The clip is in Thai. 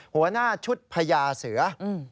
หัวหน้าชุดพญาเสือ